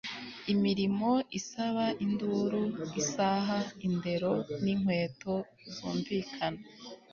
imirimo isaba induru-isaha indero n'inkweto zumvikana